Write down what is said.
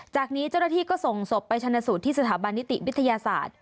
จากนี้เจ้าหน้าที่ก็ส่งศพไปชนะสูตรที่สถาบันนิติวิทยาศาสตร์